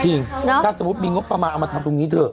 ถ้าสมมุติมีงบประมาณเอามาทำตรงนี้เถอะ